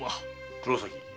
黒崎。